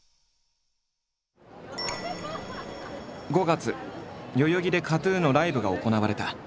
５月代々木でＫＡＴ−ＴＵＮのライブが行われた。